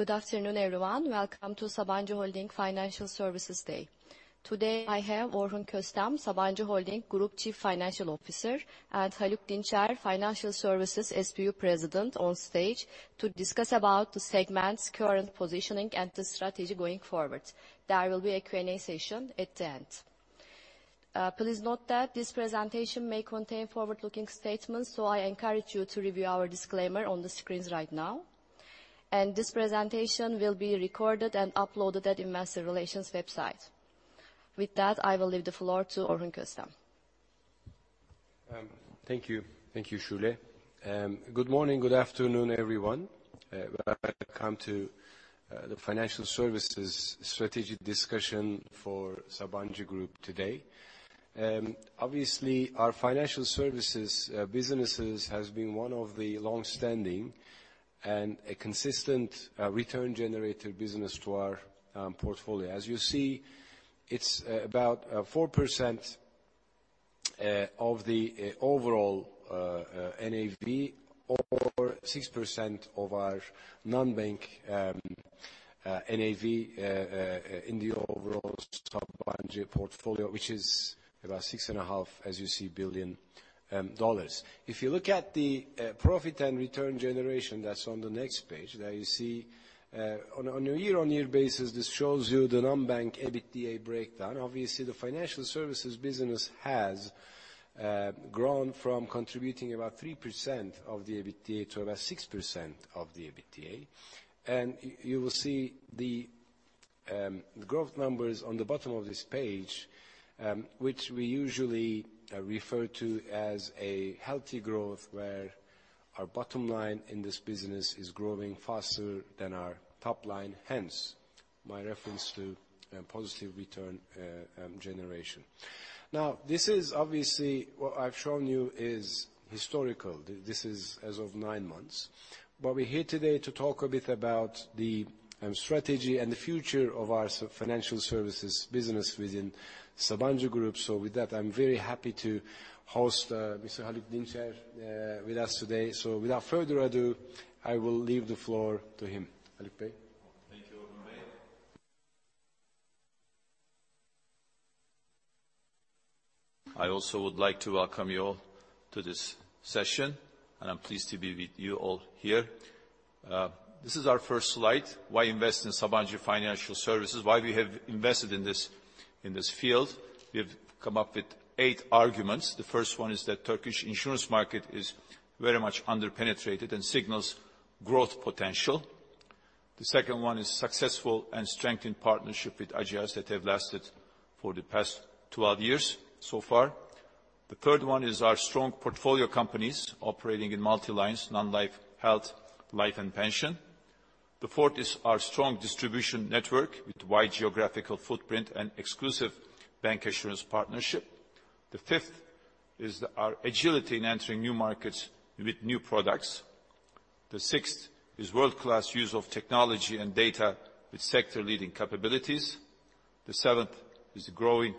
Good afternoon, everyone. Welcome to Sabancı Holding Financial Services Day. Today, I have Orhun Köstem, Sabancı Holding Group Chief Financial Officer, and Haluk Dinçer, Financial Services SBU President, on stage to discuss about the segment's current positioning and the strategy going forward. There will be a Q&A session at the end. Please note that this presentation may contain forward-looking statements, so I encourage you to review our disclaimer on the screens right now. This presentation will be recorded and uploaded at investor relations website. With that, I will leave the floor to Orhun Köstem. Thank you. Thank you, Schule. Good morning, good afternoon, everyone. Welcome to the financial services strategic discussion for Sabancı Group today. Obviously, our financial services businesses has been one of the long-standing and a consistent return generator business to our portfolio. As you see, it's about 4% of the overall NAV, or 6% of our non-bank NAV in the overall Sabancı portfolio, which is about $6.5 billion, as you see. If you look at the profit and return generation that's on the next page, there you see on a year-on-year basis, this shows you the non-bank EBITDA breakdown. Obviously, the financial services business has grown from contributing about 3% of the EBITDA to about 6% of the EBITDA. And you will see the growth numbers on the bottom of this page, which we usually refer to as a healthy growth, where our bottom line in this business is growing faster than our top line, hence my reference to a positive return generation. Now, this is obviously what I've shown you is historical. This is as of nine months. But we're here today to talk a bit about the strategy and the future of our financial services business within Sabancı Group. So with that, I'm very happy to host Mr. Haluk Dinçer with us today. So without further ado, I will leave the floor to him. Haluk Bey? Thank you, Orhun Bey. I also would like to welcome you all to this session, and I'm pleased to be with you all here. This is our first slide. Why invest in Sabancı Financial Services? Why we have invested in this, in this field. We have come up with eight arguments. The first one is that Turkish insurance market is very much underpenetrated and signals growth potential. The second one is successful and strengthened partnership with Ageas that have lasted for the past 12 years so far. The third one is our strong portfolio companies operating in multi-lines, non-life, health, life, and pension. The fourth is our strong distribution network with wide geographical footprint and exclusive bank insurance partnership. The fifth is our agility in entering new markets with new products. The sixth is world-class use of technology and data with sector-leading capabilities. The seventh is growing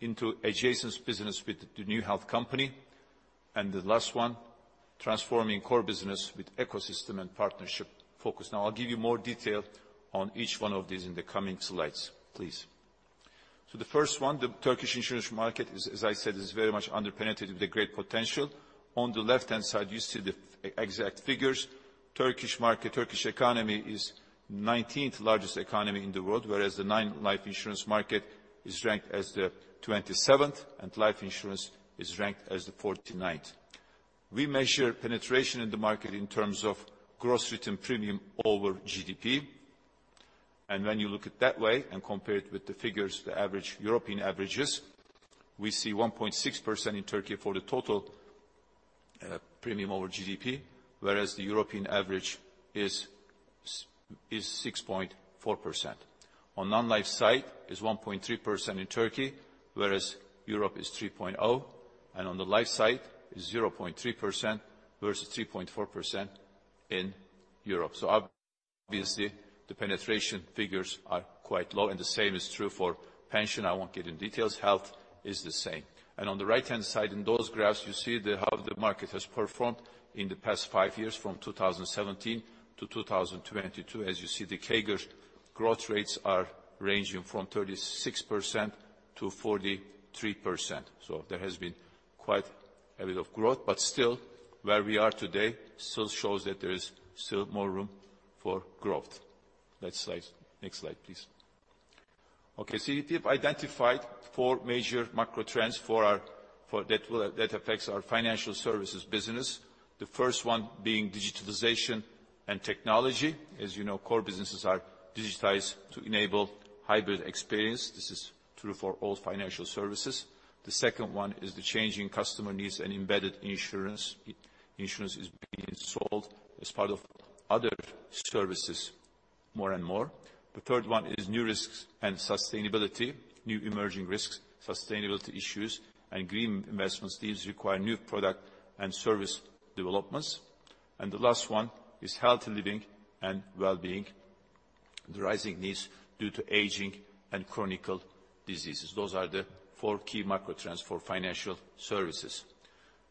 into adjacent business with the new health company, and the last one, transforming core business with ecosystem and partnership focus. Now, I'll give you more detail on each one of these in the coming slides. Please. So the first one, the Turkish insurance market, as, as I said, is very much underpenetrated with a great potential. On the left-hand side, you see the exact figures. Turkish market, Turkish economy is 19th largest economy in the world, whereas the non-life insurance market is ranked as the 27th, and life insurance is ranked as the 49th. We measure penetration in the market in terms of gross written premium over GDP, and when you look at it that way and compare it with the figures, the average, European averages, we see 1.6% in Turkey for the total, premium over GDP, whereas the European average is 6.4%. On non-life side is 1.3% in Turkey, whereas Europe is 3.0%, and on the life side, is 0.3% versus 3.4% in Europe. So obviously, the penetration figures are quite low, and the same is true for pension. I won't get in details. Health is the same. And on the right-hand side, in those graphs, you see the, how the market has performed in the past five years, from 2017-2022. As you see, the CAGR growth rates are ranging from 36%-43%. So there has been quite a bit of growth, but still, where we are today still shows that there is still more room for growth. Next slide. Next slide, please. Okay, so we have identified four major macro trends for our—for... that affects our financial services business. The first one being digitalization and technology. As you know, core businesses are digitized to enable hybrid experience. This is true for all financial services. The second one is the changing customer needs and embedded insurance. Insurance is being sold as part of other services more and more. The third one is new risks and sustainability, new emerging risks, sustainability issues, and green investments. These require new product and service developments. And the last one is healthy living and well-being, the rising needs due to aging and chronic diseases. Those are the four key macro trends for financial services...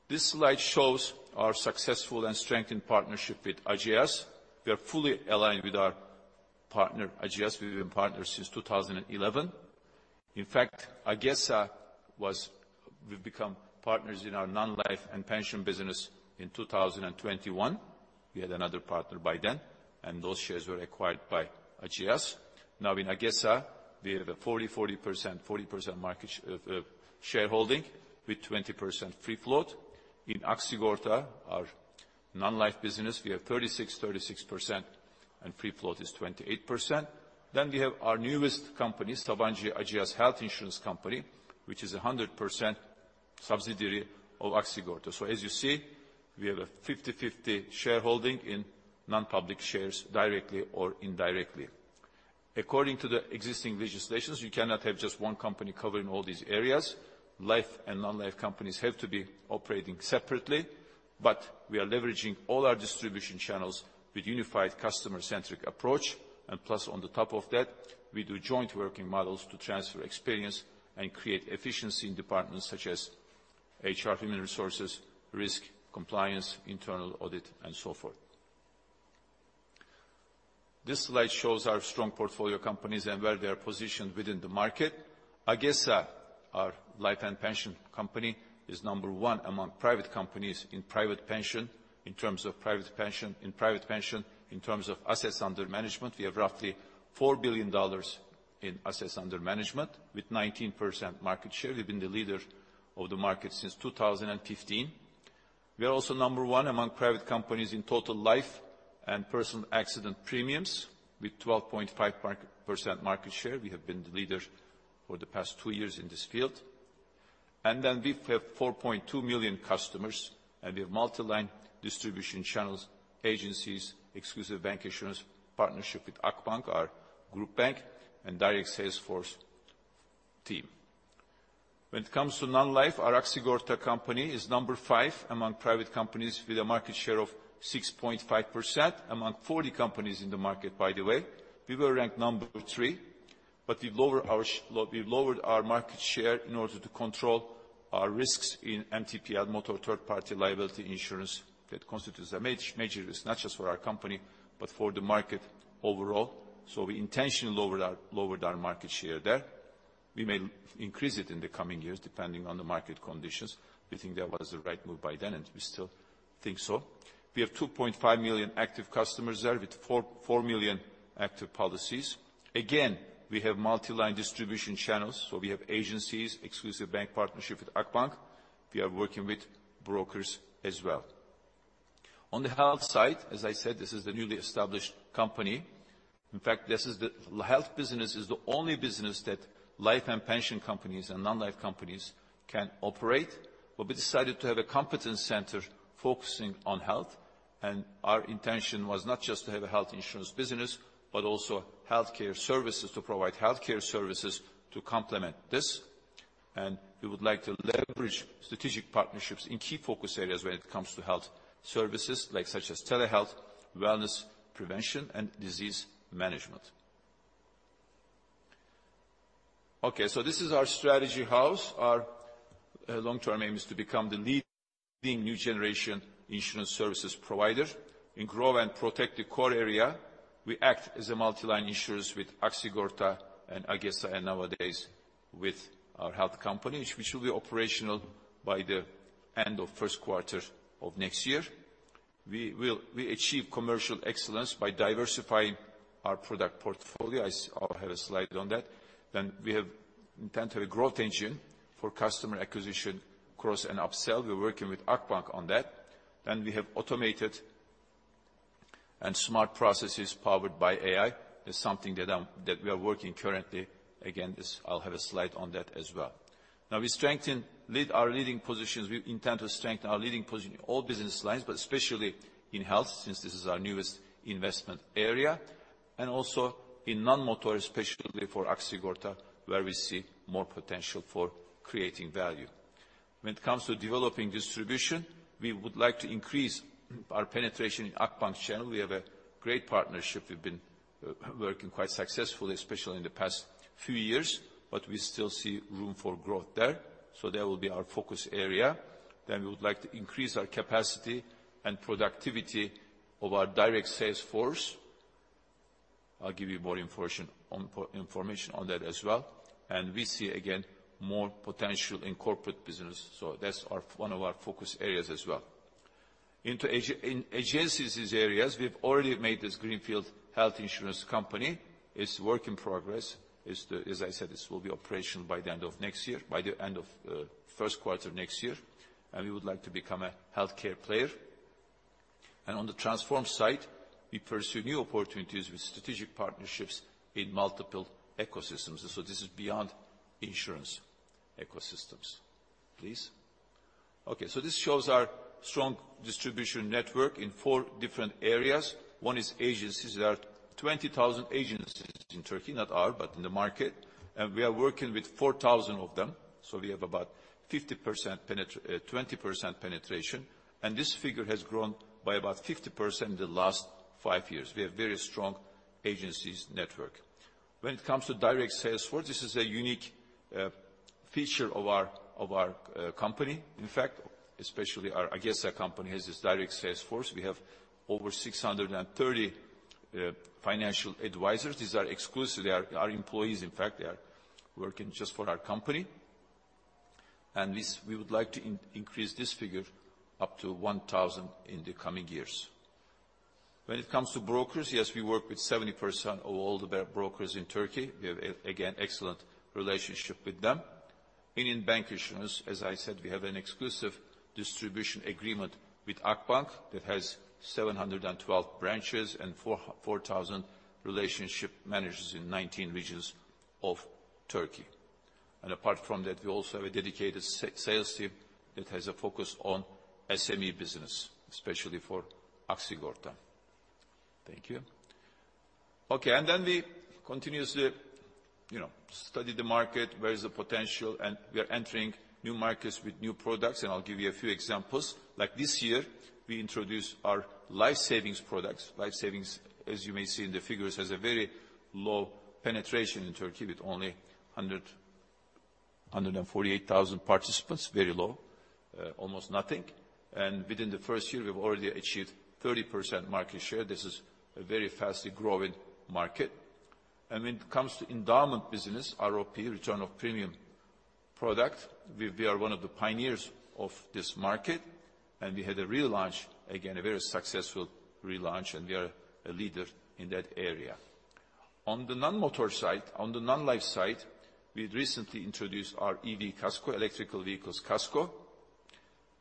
This slide shows our successful and strengthened partnership with Ageas. We are fully aligned with our partner, Ageas. We've been partners since 2011. In fact, AgeSA was- we've become partners in our non-life and pension business in 2021. We had another partner by then, and those shares were acquired by Ageas. Now, in AgeSA, we have a 40, 40, 40% shareholding, with 20% free float. In Aksigorta, our non-life business, we have 36, 36 percent, and free float is 28%. Then we have our newest company, Sabancı Ageas Health Insurance Company, which is a 100% subsidiary of Aksigorta. So as you see, we have a 50/50 shareholding in non-public shares, directly or indirectly. According to the existing legislations, we cannot have just one company covering all these areas. Life and non-life companies have to be operating separately, but we are leveraging all our distribution channels with unified customer-centric approach. And plus, on the top of that, we do joint working models to transfer experience and create efficiency in departments such as HR, human resources, risk, compliance, internal audit, and so forth. This slide shows our strong portfolio companies and where they are positioned within the market. AgeSA, our life and pension company, is number one among private companies in private pension, in terms of private pension. In private pension, in terms of assets under management, we have roughly $4 billion in assets under management, with 19% market share. We've been the leader of the market since 2015. We are also number one among private companies in total life and personal accident premiums, with 12.5% market share. We have been the leader for the past two years in this field. We have 4.2 million customers, and we have multi-line distribution channels, agencies, exclusive bank insurance, partnership with Akbank, our group bank, and direct sales force team. When it comes to non-life, our Aksigorta company is number five among private companies with a market share of 6.5%. Among 40 companies in the market, by the way, we were ranked number three, but we lowered our market share in order to control our risks in MTPL, Motor Third Party Liability insurance. That constitutes a major risk, not just for our company, but for the market overall. So we intentionally lowered our market share there. We may increase it in the coming years, depending on the market conditions. We think that was the right move by then, and we still think so. We have 2.5 million active customers there, with 4 million active policies. Again, we have multi-line distribution channels, so we have agencies, exclusive bank partnership with Akbank. We are working with brokers as well. On the health side, as I said, this is a newly established company. In fact, this is the health business is the only business that life and pension companies and non-life companies can operate. But we decided to have a competence center focusing on health, and our intention was not just to have a health insurance business, but also healthcare services, to provide healthcare services to complement this. And we would like to leverage strategic partnerships in key focus areas when it comes to health services, like such as telehealth, wellness, prevention, and disease management. Okay, so this is our strategy house. Our long-term aim is to become the leading new generation insurance services provider. In grow and protect the core area, we act as a multi-line insurance with Aksigorta and AgeSA, and nowadays with our health company, which will be operational by the end of first quarter of next year. We achieve commercial excellence by diversifying our product portfolio. I'll have a slide on that. Then we have intent to have a growth engine for customer acquisition, cross- and upsell. We're working with Akbank on that. Then we have automated and smart processes powered by AI. It's something that we are working currently. Again, this, I'll have a slide on that as well. Now, we strengthen our leading positions. We intend to strengthen our leading position in all business lines, but especially in health, since this is our newest investment area, and also in non-motor, especially for Aksigorta, where we see more potential for creating value. When it comes to developing distribution, we would like to increase our penetration in Akbank channel. We have a great partnership. We've been working quite successfully, especially in the past few years, but we still see room for growth there, so that will be our focus area. Then we would like to increase our capacity and productivity of our direct sales force. I'll give you more information on information on that as well. And we see again, more potential in corporate business, so that's our, one of our focus areas as well. In agencies areas, we've already made this Greenfield Health Insurance company. It's work in progress. As I said, this will be operational by the end of next year, by the end of first quarter of next year, and we would like to become a healthcare player. And on the transform side, we pursue new opportunities with strategic partnerships in multiple ecosystems. So this is beyond insurance ecosystems. Please. Okay, so this shows our strong distribution network in four different areas. One is agencies. There are 20,000 agencies in Turkey, not our, but in the market, and we are working with 4,000 of them. So we have about 50% penetr-, 20% penetration, and this figure has grown by about 50% in the last five years. We have very strong agencies network. When it comes to direct sales force, this is a unique feature of our company. In fact, especially our AgeSA company, has this direct sales force. We have over 630 financial advisors. These are exclusively our employees, in fact, they are working just for our company, and we would like to increase this figure up to 1,000 in the coming years. When it comes to brokers, yes, we work with 70% of all the brokers in Turkey. We have, again, excellent relationship with them. And in bancassurance, as I said, we have an exclusive distribution agreement with Akbank that has 712 branches and 4,000 relationship managers in 19 regions of Turkey. And apart from that, we also have a dedicated sales team that has a focus on SME business, especially for Aksigorta. Thank you. Okay, and then we continuously, you know, study the market, where is the potential, and we are entering new markets with new products, and I'll give you a few examples. Like this year, we introduced our life savings products. Life savings, as you may see in the figures, has a very low penetration in Turkey, with only 148,000 participants. Very low, almost nothing. And within the first year, we've already achieved 30% market share. This is a very fastly growing market. When it comes to endowment business, ROP, return of premium product, we are one of the pioneers of this market, and we had a re-launch, again, a very successful re-launch, and we are a leader in that area. On the non-motor side, on the non-life side, we recently introduced our EV Casco, electric vehicles Casco.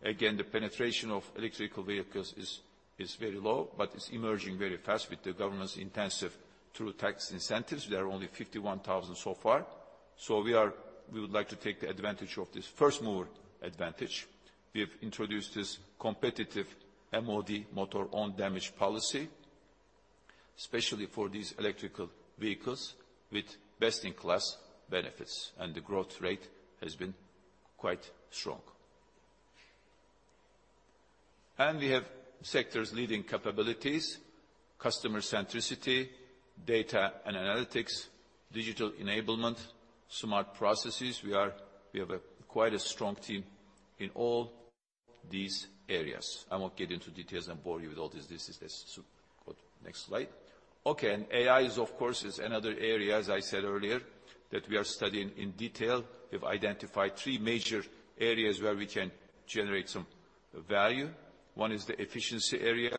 Again, the penetration of electric vehicles is very low, but it's emerging very fast with the government's intensive through tax incentives. There are only 51,000 so far, so we are. We would like to take advantage of this first-mover advantage. We have introduced this competitive MOD, motor-own damage policy, especially for these electric vehicles, with best-in-class benefits, and the growth rate has been quite strong. We have sector-leading capabilities, customer centricity, data and analytics, digital enablement, smart processes. We have quite a strong team in all these areas. I won't get into details and bore you with all this. This is this. So go to next slide. Okay, and AI is of course another area, as I said earlier, that we are studying in detail. We've identified three major areas where we can generate some value. One is the efficiency area.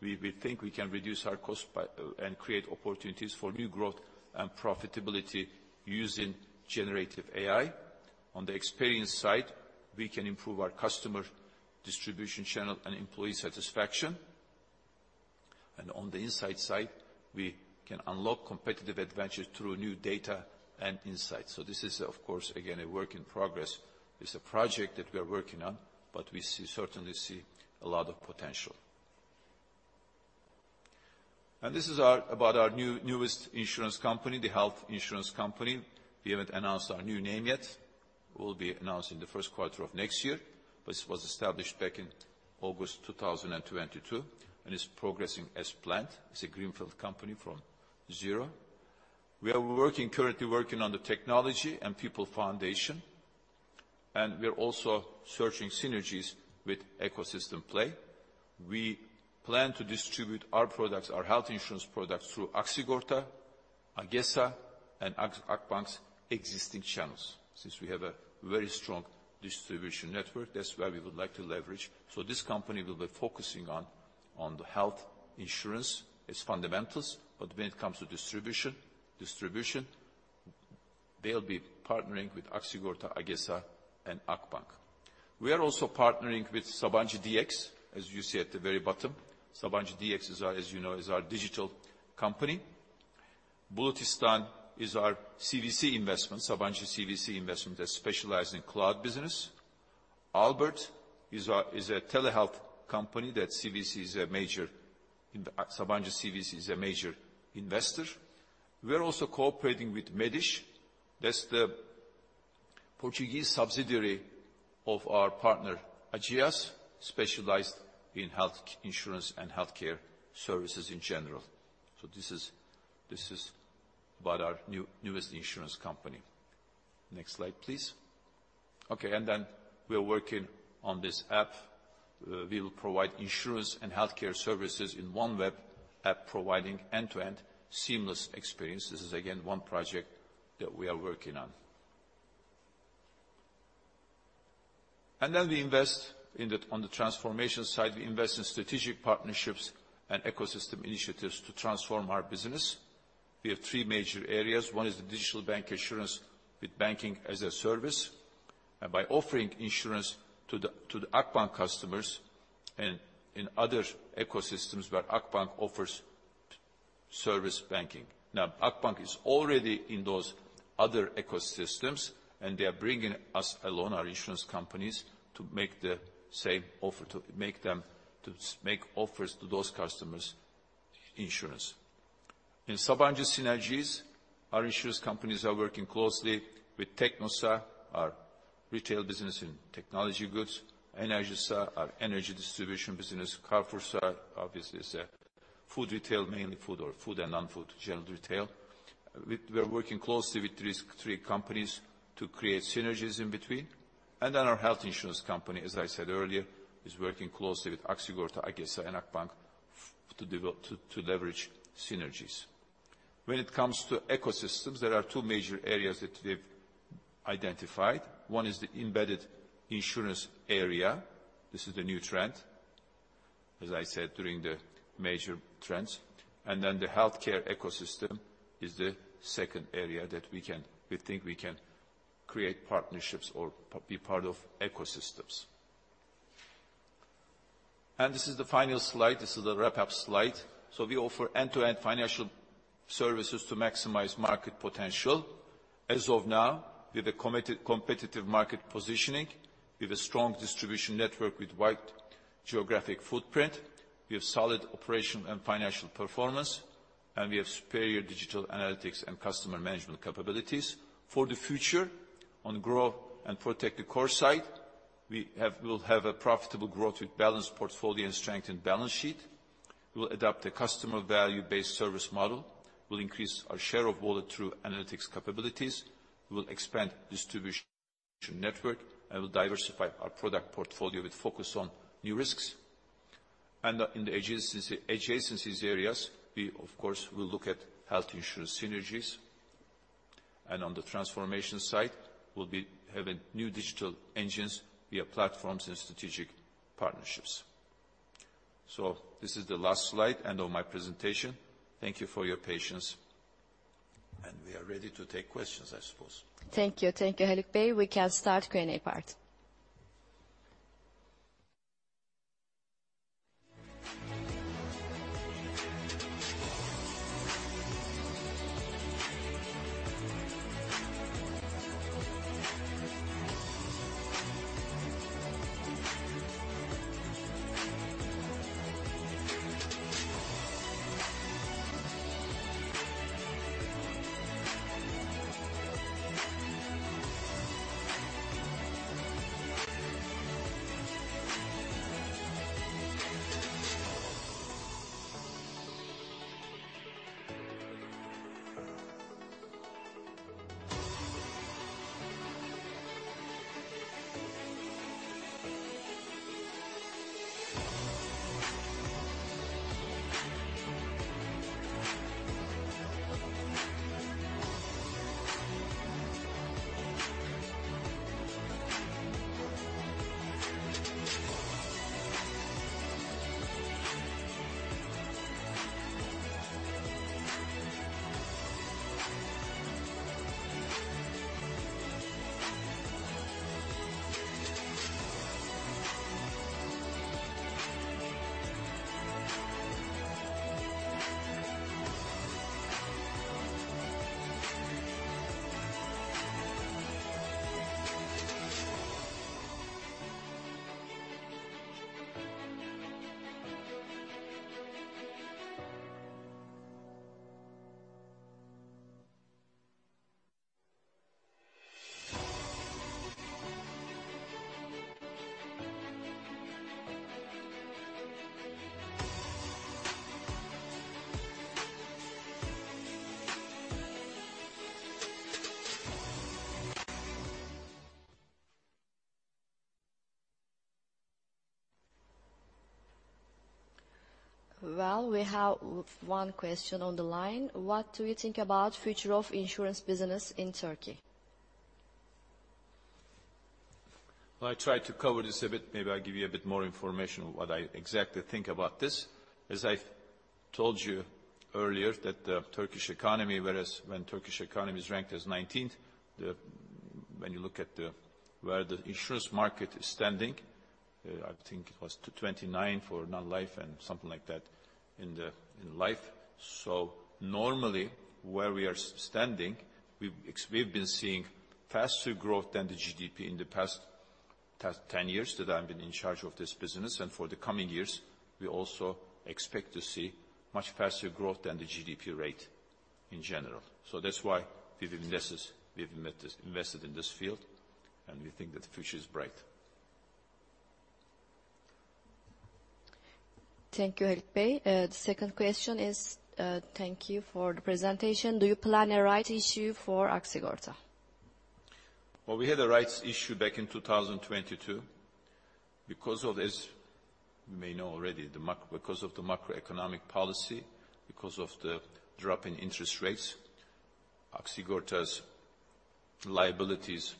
We think we can reduce our cost by and create opportunities for new growth and profitability using generative AI. On the experience side, we can improve our customer distribution channel and employee satisfaction. And on the insight side, we can unlock competitive advantage through new data and insights. So this is, of course, again, a work in progress. It's a project that we are working on, but we certainly see a lot of potential. This is about our new, newest insurance company, the health insurance company. We haven't announced our new name yet. We'll be announcing the first quarter of next year. But it was established back in August 2022 and is progressing as planned. It's a greenfield company from zero. We are working, currently working on the technology and people foundation, and we are also searching synergies with ecosystem play. We plan to distribute our products, our health insurance products, through Aksigorta, AgeSA, and Akbank's existing channels. Since we have a very strong distribution network, that's where we would like to leverage. So this company will be focusing on, on the health insurance, its fundamentals, but when it comes to distribution, distribution, they'll be partnering with Aksigorta, AgeSA, and Akbank. We are also partnering with SabancıDx, as you see at the very bottom. SabancıDx is our, as you know, is our digital company. Bulutistan is our CVC investment, Sabancı CVC investment, that specialize in cloud business. Albert is our, is a telehealth company that CVC is a major... Sabancı CVC is a major investor. We are also cooperating with Medialv. That's the Portuguese subsidiary of our partner, Ageas, specialized in health insurance and healthcare services in general. So this is, this is about our new- newest insurance company. Next slide, please. Okay, and then we are working on this app. We will provide insurance and healthcare services in one web app, providing end-to-end seamless experience. This is again, one project that we are working on. And then we invest in the, on the transformation side, we invest in strategic partnerships and ecosystem initiatives to transform our business. We have three major areas. One is the digital bancassurance with banking as a service, and by offering insurance to the Akbank customers and in other ecosystems where Akbank offers service banking. Now, Akbank is already in those other ecosystems, and they are bringing us along, our insurance companies, to make the same offer, to make offers to those customers insurance. In Sabancı synergies, our insurance companies are working closely with TeknoSA, our retail business in technology goods, Enerjisa, our energy distribution business. CarrefourSA, obviously, is a food retail, mainly food or food and non-food, general retail. We are working closely with three companies to create synergies in between. And then our health insurance company, as I said earlier, is working closely with Aksigorta, AgeSA, and Akbank to develop, to leverage synergies. When it comes to ecosystems, there are two major areas that we've identified. One is the embedded insurance area. This is the new trend, as I said, during the major trends. Then the healthcare ecosystem is the second area that we think we can create partnerships or be part of ecosystems. This is the final slide. This is the wrap-up slide. We offer end-to-end financial services to maximize market potential. As of now, with a committed competitive market positioning, we have a strong distribution network with wide geographic footprint. We have solid operational and financial performance, and we have superior digital analytics and customer management capabilities. For the future, on grow and protect the core side, we will have a profitable growth with balanced portfolio and strengthened balance sheet. We will adopt a customer value-based service model. We'll increase our share of wallet through analytics capabilities. We will expand distribution network, and we'll diversify our product portfolio with focus on new risks. In the adjacencies areas, we of course will look at health insurance synergies. On the transformation side, we'll be having new digital engines via platforms and strategic partnerships. This is the last slide, end of my presentation. Thank you for your patience, and we are ready to take questions, I suppose. Thank you. Thank you, Haluk Bey. We can start Q&A part. Well, we have one question on the line: What do you think about future of insurance business in Turkey? Well, I tried to cover this a bit. Maybe I'll give you a bit more information on what I exactly think about this. As I've told you earlier, that the Turkish economy, whereas when the Turkish economy is ranked as 19th, when you look at where the insurance market is standing, I think it was 29 for non-life and something like that in life. So normally, where we are standing, we've been seeing faster growth than the GDP in the past 10 years that I've been in charge of this business, and for the coming years, we also expect to see much faster growth than the GDP rate in general. So that's why we've invested in this field, and we think that the future is bright. Thank you, Haluk Bey. The second question is: Thank you for the presentation. Do you plan a rights issue for Aksigorta? Well, we had a rights issue back in 2022. Because of this, you may know already, the macro-- because of the macroeconomic policy, because of the drop in interest rates, Aksigorta's liabilities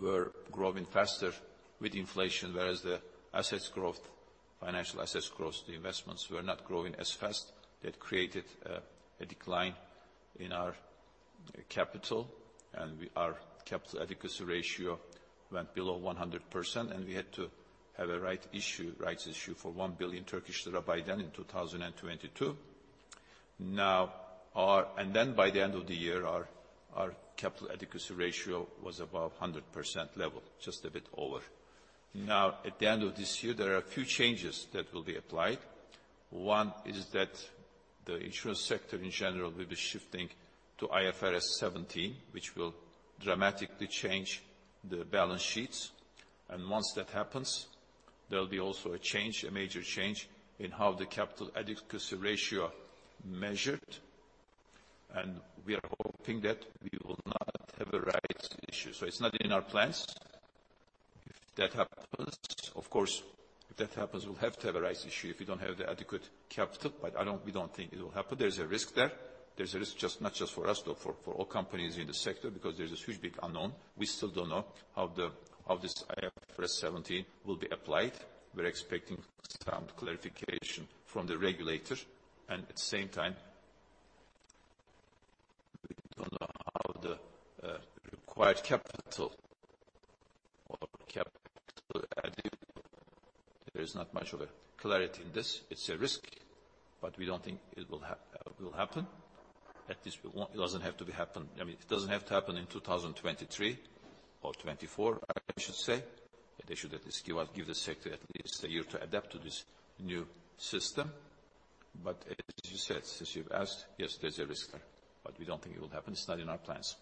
were growing faster with inflation, whereas the assets growth, financial assets growth, the investments were not growing as fast. That created a decline in our capital, and we, our capital adequacy ratio went below 100%, and we had to have a right issue, rights issue for 1 billion Turkish lira by then in 2022. Now, our-- And then by the end of the year, our, our capital adequacy ratio was above 100% level, just a bit over. Now, at the end of this year, there are a few changes that will be applied. One is that the insurance sector in general will be shifting to IFRS 17, which will dramatically change the balance sheets, and once that happens, there'll be also a change, a major change, in how the capital adequacy ratio measured, and we are hoping that we will not have a rights issue. So it's not in our plans. If that happens, of course, if that happens, we'll have to have a rights issue if we don't have the adequate capital, but we don't think it will happen. There's a risk there. There's a risk just, not just for us, but for all companies in the sector, because there's a huge, big unknown. We still don't know how the, how this IFRS 17 will be applied. We're expecting some clarification from the regulator, and at the same time, we don't know how the required capital or capital added. There is not much of a clarity in this. It's a risk, but we don't think it will happen. At least it doesn't have to happen in 2023 or 2024, I should say. They should at least give the sector at least a year to adapt to this new system. But as you said, since you've asked, yes, there's a risk there, but we don't think it will happen. It's not in our plans.